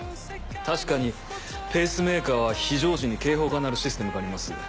確かにペースメーカーは非常時に警報が鳴るシステムがあります。